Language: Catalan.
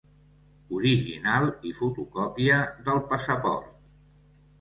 Original i fotocòpia del passaport.